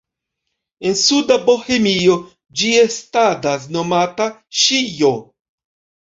En suda Bohemio ĝi estadas nomata "ŝijo".